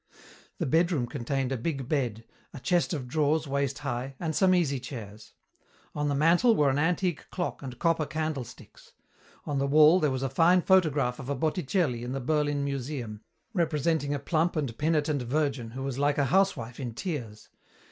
The bedroom contained a big bed, a chest of drawers waist high, and some easy chairs. On the mantel were an antique clock and copper candlesticks. On the wall there was a fine photograph of a Botticelli in the Berlin museum, representing a plump and penitent Virgin who was like a housewife in tears.